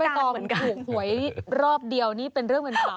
มีกลิ่นหอมกว่า